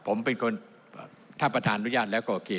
ผมเป็นคนถ้าประธานอนุญาตแล้วก็โอเค